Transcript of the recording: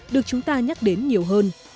được chúng ta nhắc đến nhiều hơn